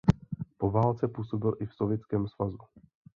Po válce působil i v Sovětském svazu.